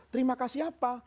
terima kasih apa